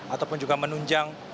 ataupun juga menunjang